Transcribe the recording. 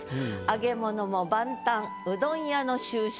「揚げ物も万端うどん屋の秋宵」。